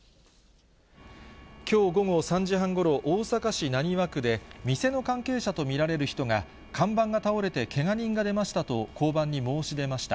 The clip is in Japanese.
きょう午後３時半ごろ、大阪市浪速区で、店の関係者と見られる人が、看板が倒れてけが人が出ましたと、交番に申し出ました。